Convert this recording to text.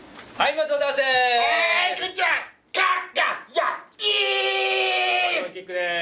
松本キックです。